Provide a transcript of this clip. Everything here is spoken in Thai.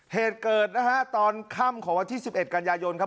เหตุเกิดนะฮะตอนค่ำของวันที่๑๑กันยายนครับ